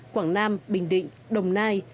quảng nam bình định đồng nai